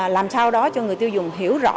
làm sao đó cho người tiêu dùng hiểu rõ